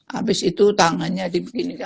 habis itu tangannya dibikin